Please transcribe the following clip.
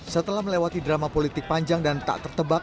setelah melewati drama politik panjang dan tak tertebak